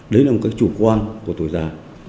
đấy là một cái chủ quan của tuổi già